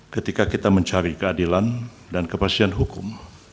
ketika kita mencari keadilan dan kepastian hukum